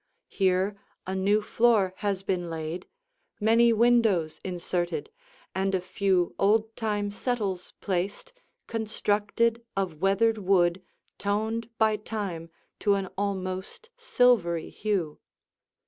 Here a new floor has been laid, many windows inserted, and a few old time settles placed, constructed of weathered wood toned by time to an almost silvery hue.